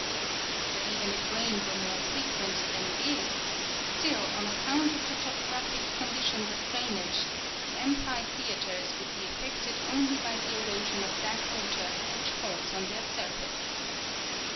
But even if rain were more frequent than it is, still on account of the topographic conditions of drainage the amphi theaters would be affected only by the erosion of that water which falls on their burface.